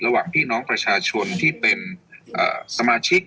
ระหว่างพี่น้องประชาชนที่เป็นสมาชิก